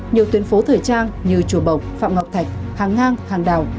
nhiều tuyến phố thời trang như chùa bộc phạm ngọc thạch hàng ngang hàng đào